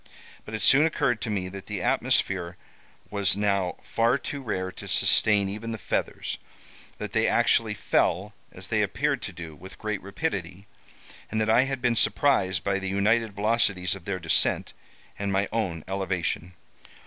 But it soon occurred to me that the atmosphere was now far too rare to sustain even the feathers; that they actually fell, as they appeared to do, with great rapidity; and that I had been surprised by the united velocities of their descent and my own elevation.